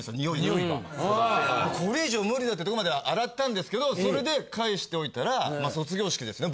これ以上無理だってとこまでは洗ったんですけどそれで返しておいたら卒業式ですね。